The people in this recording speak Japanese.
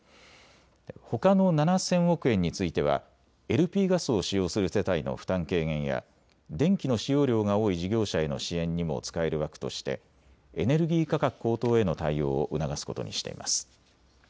ほかの７０００億円についてはＬＰガスを使用する世帯の負担軽減や電気の使用量が多い事業者への支援にも使える枠としてエネルギー価格高騰への対応を促すことにしています。